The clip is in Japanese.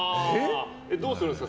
どうするんですか？